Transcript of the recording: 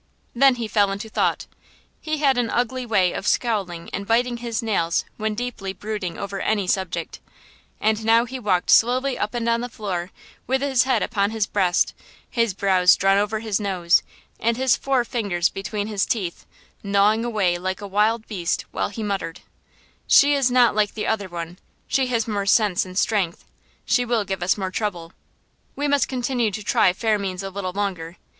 Then he fell into thought. He had an ugly way of scowling and biting his nails when deeply brooding over any subject, and now he walked slowly up and down the floor with his head upon his breast, his brows drawn over his nose and his four fingers between his teeth, gnawing away like a wild beast, while he muttered: "She is not like the other one; she has more sense and strength; she will give us more trouble. We must continue to try fair means a little longer.